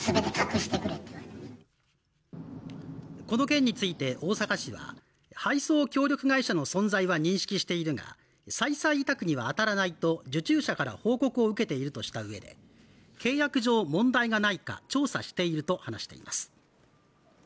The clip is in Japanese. この件について大阪市は配送協力会社の存在は認識しているが再々委託には当たらないと受注者から報告を受けているとしたうえで契約上問題がないか調査していると話しています